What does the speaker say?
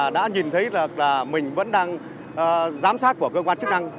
đã nhìn thấy là mình vẫn đang giám sát của cơ quan chức năng